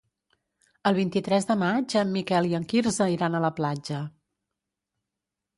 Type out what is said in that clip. El vint-i-tres de maig en Miquel i en Quirze iran a la platja.